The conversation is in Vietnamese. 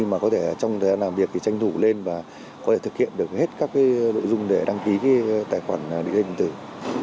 mà có thể trong thời gian làm việc thì tranh thủ lên và có thể thực hiện được hết các nội dung để đăng ký tài khoản định danh điện tử